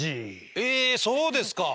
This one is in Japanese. えそうですか。